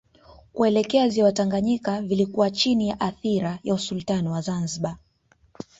Kuelekea Ziwa Tanganyika vilikuwa chini ya athira ya Usultani wa Zanzibar